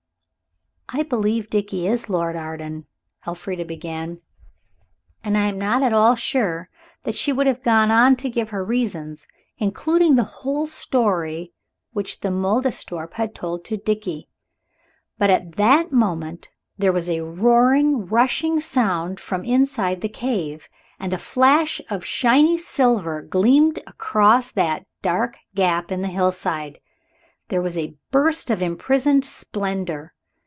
"I believe Dickie is Lord Arden," Elfrida began, and I am not at all sure that she would not have gone on to give her reasons, including the whole story which the Mouldiestwarp had told to Dickie; but at that moment there was a roaring, rushing sound from inside the cave, and a flash of shiny silver gleamed across that dark gap in the hillside. There was a burst of imprisoned splendor.